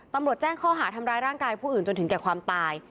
ตำรวจแจ้งข้อหาทำร้ายร่างกายผู้อื่นจนถึงแก่ความตาย